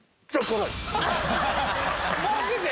マジで？